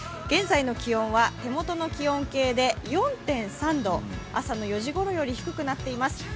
現在の気温は手元の気温計で４．３度、朝の４時ごろより、低くなっています。